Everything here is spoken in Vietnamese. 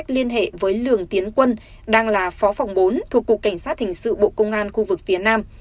liên hệ với lường tiến quân đang là phó phòng bốn thuộc cục cảnh sát hình sự bộ công an khu vực phía nam